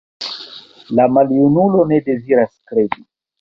La maljunulo ne deziras kredi.